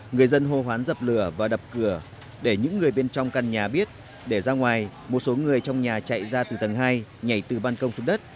người dân hô hoán dập lửa và đập cửa để những người bên trong căn nhà biết để ra ngoài một số người trong nhà chạy ra từ tầng hai nhảy từ bàn công xuống đất